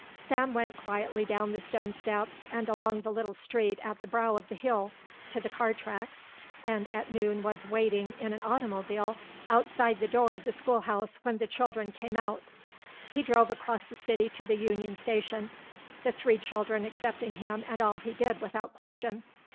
Sam went quietly down the stone steps and along the little street at the brow of the hill to the car tracks, and at noon was waiting in an automobile outside the door of the schoolhouse when the children came out. He drove across the city to the Union Station, the three children accepting him and all he did without question.